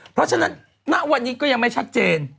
เพราะฉะนั้นณวันนี้ก็ยังไม่ชัดเจน